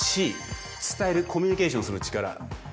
Ｃ伝えるコミュニケーションする力。